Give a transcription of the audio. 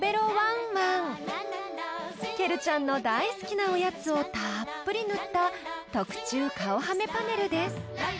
［ケルちゃんの大好きなおやつをたっぷり塗った特注顔はめパネルです］